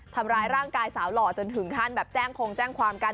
ทำร้ายร่างกายสาวหล่อจนถึงขั้นแบบแจ้งคงแจ้งความกัน